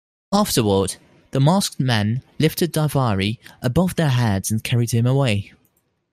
Afterward, the masked men lifted Daivari above their heads and carried him away.